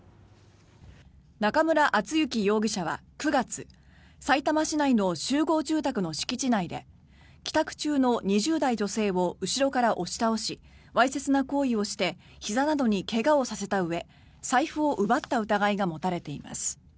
中村惇之容疑者は９月さいたま市内の集合住宅の敷地内で帰宅中の２０代女性を後ろから押し倒しわいせつな行為をしてひざなどに怪我をさせたうえ財布を奪った疑いが持たれています。